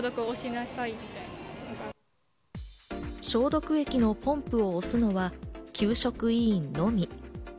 消毒液のポンプを押すのは給食委員のみ。